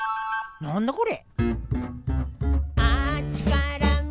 なんだこれ？